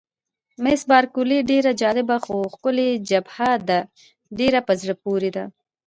مس بارکلي: ډېره جالبه، خو ښکلې جبهه ده، ډېره په زړه پورې ده.